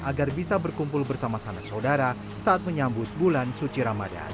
agar bisa berkumpul bersama sanak saudara saat menyambut bulan suci ramadan